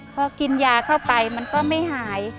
พอกินยาเข้าไปมันก็ไม่หาย